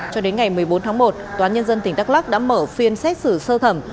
cho đến ngày một mươi bốn tháng một tòa nhân dân tỉnh đắk lắc đã mở phiên xét xử sơ thẩm